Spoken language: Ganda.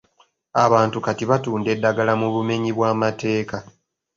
Abantu kati batunda eddagala mu bumenyi bw'amateeka.